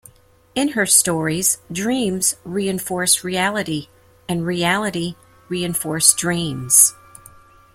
In her stories dreams reinforce reality and reality reinforce dreams.